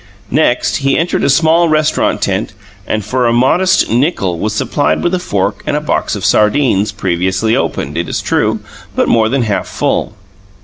Next, he entered a small restaurant tent and for a modest nickel was supplied with a fork and a box of sardines, previously opened, it is true, but more than half full.